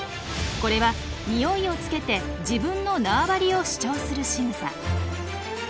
これはニオイをつけて自分の縄張りを主張するしぐさ。